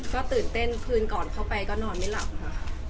ก็ตื่นเต้นคืนก่อนเข้าไปก็นอนไม่หลับค่ะ